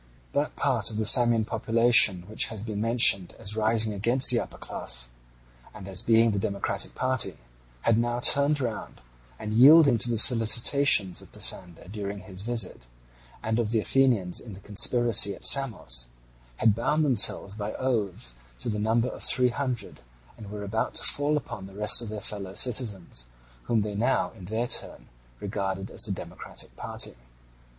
That part of the Samian population which has been mentioned as rising against the upper class, and as being the democratic party, had now turned round, and yielding to the solicitations of Pisander during his visit, and of the Athenians in the conspiracy at Samos, had bound themselves by oaths to the number of three hundred, and were about to fall upon the rest of their fellow citizens, whom they now in their turn regarded as the democratic party.